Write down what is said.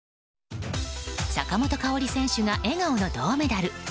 坂本花織選手が笑顔の銅メダル。